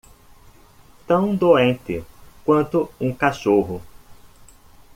Tão doente quanto um cachorro.